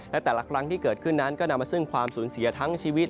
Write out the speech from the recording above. และแต่ละครั้งที่เกิดขึ้นนั้นก็นำมาซึ่งความสูญเสียทั้งชีวิต